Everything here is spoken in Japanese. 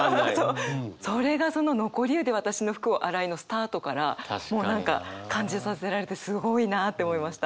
それがその「残り湯で私の服を洗い」のスタートからもう何か感じさせられてすごいなあって思いました。